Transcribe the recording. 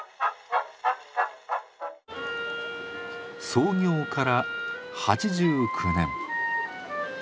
創業から８９年。